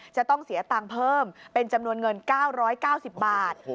จะต้องเสียตังค์เพิ่มเป็นจำนวนเงิน๙๙๐บาท